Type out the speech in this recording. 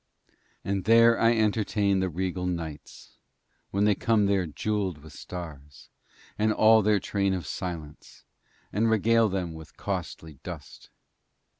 And there I entertain the regal nights when they come there jewelled with stars, and all their train of silence, and regale them with costly dust.